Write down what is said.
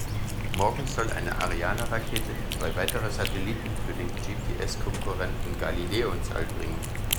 Morgen soll eine Ariane-Rakete zwei weitere Satelliten für den GPS-Konkurrenten Galileo ins All bringen.